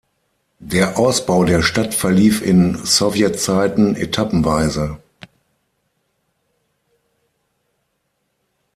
Der Ausbau der Stadt verlief in Sowjetzeiten etappenweise.